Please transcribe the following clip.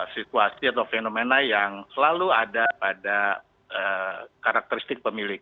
situasi atau fenomena yang selalu ada pada karakteristik pemilik